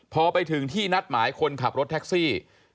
พอไปถึงที่นัดหมายคนขับรถแท็กซี่